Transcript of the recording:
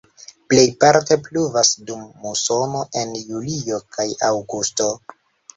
Plejparte pluvas dum musono en julio kaj aŭgusto.